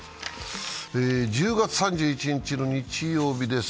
１０月３１日の日曜日です。